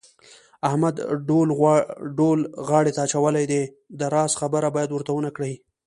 احمد ډول غاړې ته اچولی دی د راز خبره باید ورته ونه کړې.